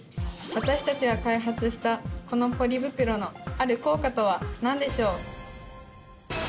私たちが開発したこのポリ袋のある効果とは何でしょう？